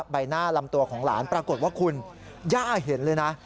ใบหน้าลำตัวของหลานปรากฏว่าคุณย่าเห็นเลยนะ